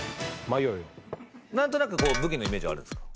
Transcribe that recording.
なんとなく武器のイメージはあるんですか？